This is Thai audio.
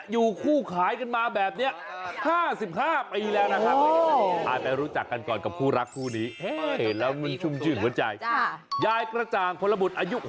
อยู่คู่ขายกันมาแบบนี้๕๕ปีแล้วนะครับ